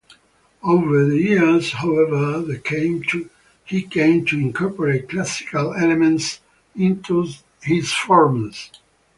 Over the years, however, he came to incorporate Classical elements into his forms.